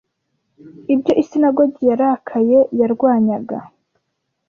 ibyo isinagogi yarakaye yarwanyaga